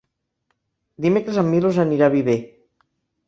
Dimecres en Milos anirà a Viver.